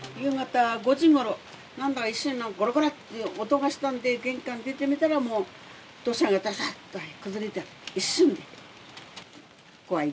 夕方５時ごろ、なんか一瞬、ごろごろって音がしたので、玄関出てみたら、もう土砂ががさっと崩れた、一瞬で。